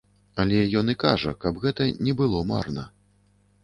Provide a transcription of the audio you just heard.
Але ён і кажа, каб гэта не было марна.